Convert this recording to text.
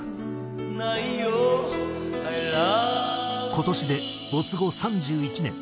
今年で没後３１年。